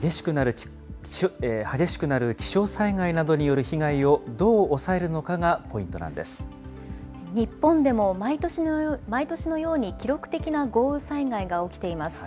激しくなる気象災害などによる被害をどう抑えるのかがポイントな日本でも毎年のように記録的な豪雨災害が起きています。